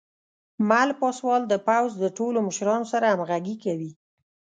مل پاسوال د پوځ د ټولو مشرانو سره همغږي کوي.